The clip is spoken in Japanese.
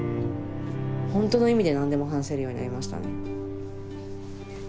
ほんとの意味で何でも話せるようになりましたね。